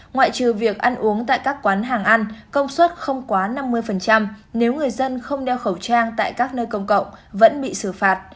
ngoại trừ việc ăn uống tại các quán hàng ăn công suất không quá năm mươi nếu người dân không đeo khẩu trang tại các nơi công cộng vẫn bị xử phạt